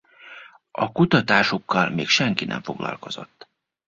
A kutatásukkal még senki nem foglalkozott.